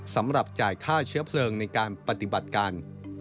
สำหรับจ่ายค่าเชื้อเพลิงในการปฏิบัติการ